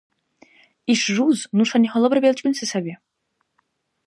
Иш жуз нушани гьалабра белчӀунси саби.